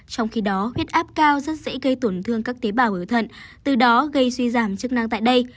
trong khi đó huyết áp cao rất dễ gây tổn thương các tế bào ở thận từ đó gây suy giảm chức năng tại đây